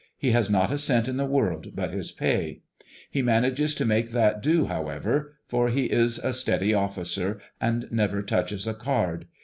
He has not a cent in the world but his pay. He manages to make that do, however, for he is a steady officer, and never touches a card.